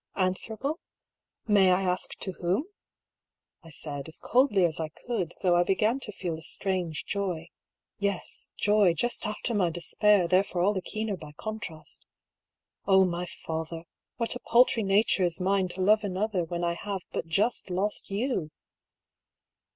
"Answerable? May I ask to whom?" I said, as coldly as I could, though I began to feel a strange joy — yes, joy just after my despair, therefore all the keener by contrast. Oh, my father, what a paltry nature is mine to love another when I have but just lost you